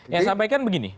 yang sampaikan begini